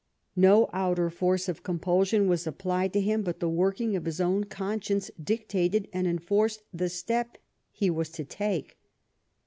No outer force of compulsion was applied to him but the workii^ of his own conscience dictated and enforced the step he was to take.